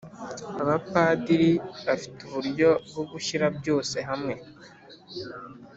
“abapadiri bafite uburyo bwo gushyira byose hamwe.